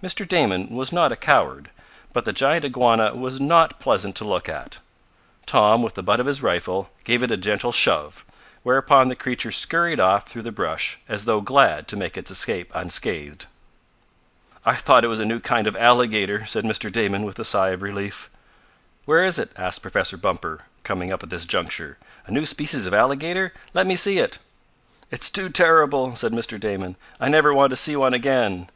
Mr. Damon was not a coward, but the giant iguana was not pleasant to look at. Tom, with the butt of his rifle, gave it a gentle shove, whereupon the creature scurried off through the brush as though glad to make its escape unscathed. "I thought it was a new kind of alligator," said Mr. Damon with a sigh of relief. "Where is it?" asked Professor Bumper, coming up at this juncture. "A new species of alligator? Let me see it!" "It's too horrible," said Mr. Damon. "I never want to see one again.